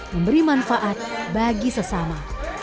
memberi manfaat bagi sesama